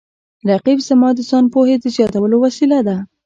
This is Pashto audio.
رقیب زما د ځان پوهې د زیاتولو وسیله ده